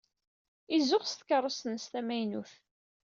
Izuxx s tkeṛṛust-nnes tamaynut.